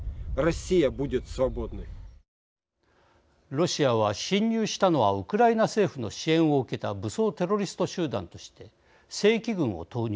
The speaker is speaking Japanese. ロシアは侵入したのはウクライナ政府の支援を受けた武装テロリスト集団として正規軍を投入。